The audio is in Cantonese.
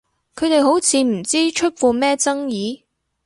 佢哋好似唔知出過咩爭議？